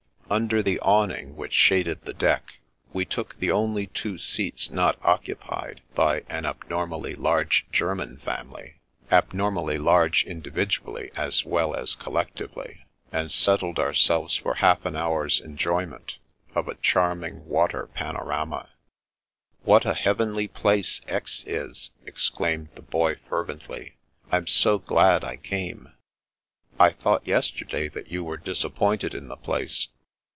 Under the awning which shaded the deck, we took the only two seats not oc cupied by an abnormally large German family, — abnormally large individually as well as collectively, — and settled ourselves for half an hour's enjo)rment of a charming water panorama. " What a heavenly place Aix is !" exclaimed the Boy fervently. " Tm so glad I came." " I thought yesterday that you were disappointed in the place."